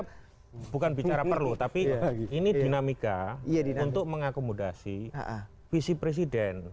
karena bukan bicara perlu tapi ini dinamika untuk mengakomodasi visi presiden